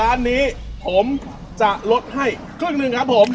ร้านนี้ผมจะลดให้ครึ่งหนึ่งครับผม